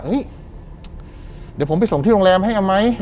เดี๋ยวผมไปส่งที่โรงแรมให้ไหม